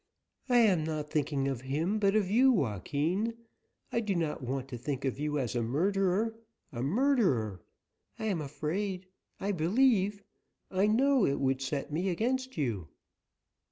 "I am not thinking of him, but of you, Joaquin. I do not want to think of you as a murderer a murderer! I am afraid I believe I know it would set me against you."